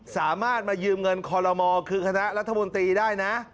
สามารถมายืมเงินคอลโลมอลคือคณะรัฐมนตรีได้นะ